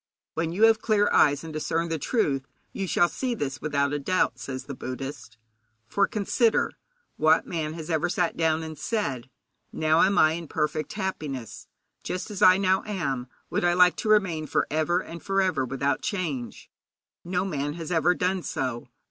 When you have clear eyes and discern the truth, you shall see this without a doubt, says the Buddhist. For consider, What man has ever sat down and said: 'Now am I in perfect happiness; just as I now am would I like to remain for ever and for ever without change'? No man has ever done so.